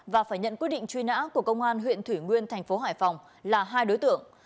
và phải nhận quyết định truy nã của công an huyện thủy nguyên thành phố hải phòng là hai đối tượng